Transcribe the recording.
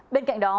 bên cạnh đó